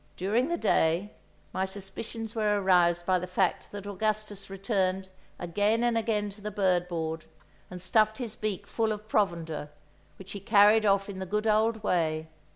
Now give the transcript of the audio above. During the day, my suspicions were aroused by the fact that Augustus returned again and again to the bird board and stuffed his beak full of provender, which he carried off in the good old way.